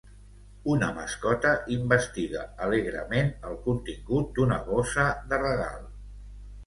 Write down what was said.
Una mascota investiga alegrement el contingut d'una bossa de regal.